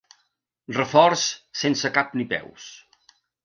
Reforç sense cap ni peus.